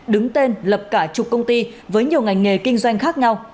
đứng tên lập cả chục công ty với nhiều ngành nghề kinh doanh khác nhau